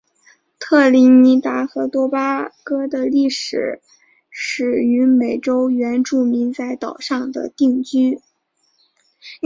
特立尼达和多巴哥的历史始于美洲原住民在岛上的定居。